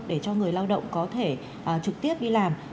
để cho người lao động có thể trực tiếp đi làm